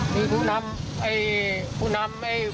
นี่ผู้นำผู้ใหญ่มามอบตัว